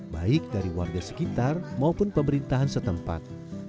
baik dari warga sekitar maupun pemerintahan setempat